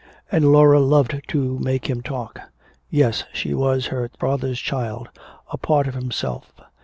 And Laura loved to make him talk.... Yes, she was her father's child, a part of himself.